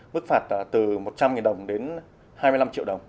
mức phạt từ một trăm linh đồng đến hai mươi năm triệu đồng